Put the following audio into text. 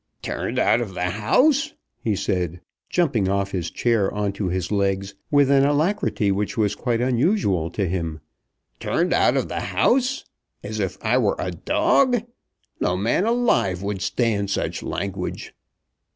"Turned out of the house!" he said, jumping off his chair on to his legs with an alacrity which was quite unusual to him. "Turned out of the house? as if I were a dog! No man alive would stand such language."